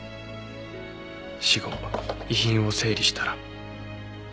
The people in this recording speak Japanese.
死後遺品を整理したら。